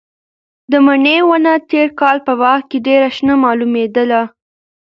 د مڼې ونه تېر کال په باغ کې ډېره شنه معلومېدله.